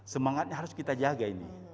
semangatnya harus kita jaga ini